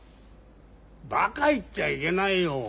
バカ言っちゃいけないよ。